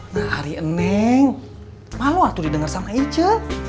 nah ari neng malu waktu didengar sama aja